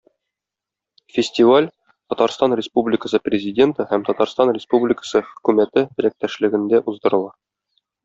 Фестиваль Татарстан Республикасы Президенты һәм Татарстан Республикасы Хөкүмәте теләктәшлегендә уздырыла.